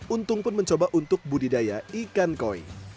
untung pun mencoba untuk budidaya ikan koi